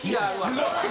すごい。